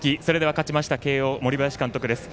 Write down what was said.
勝ちました、慶応、森林監督です。